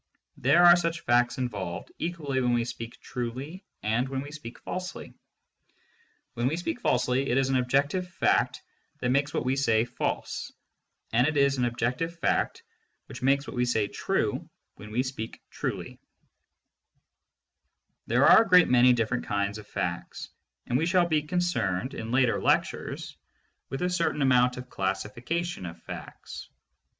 There are such facts involved, equally when we speak truly and when we speak falsely. When we speak falsely it is an objective fact that makes what we say true when we speak truly. There are a great many different kinds of facts, and we shall be concerned in later lectures with a certain amount of classification of facts.